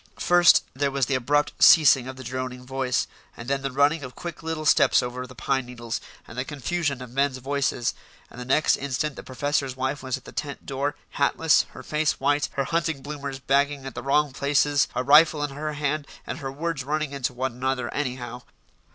First, there was the abrupt ceasing of the droning voice, and then the running of quick little steps over the pine needles, and the confusion of men's voices; and the next instant the professor's wife was at the tent door, hatless, her face white, her hunting bloomers bagging at the wrong places, a rifle in her hand, and her words running into one another anyhow.